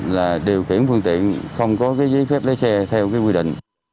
là điều khiển phương tiện không có giấy phép lái xe theo quy định